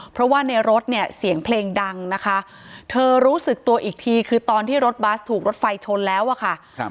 เพราะว่าในรถเนี่ยเสียงเพลงดังนะคะเธอรู้สึกตัวอีกทีคือตอนที่รถบัสถูกรถไฟชนแล้วอะค่ะ